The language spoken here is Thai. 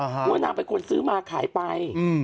ว่านางเป็นคนซื้อมาขายไป